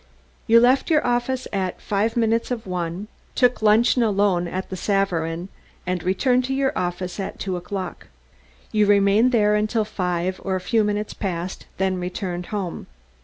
You left your office at five minutes of one, took luncheon alone at the Savarin, and returned to your office at two o'clock. You remained there until five, or a few minutes past, then returned home.